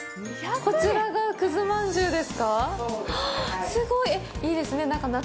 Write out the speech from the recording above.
こちらが、くずまんじゅうですか。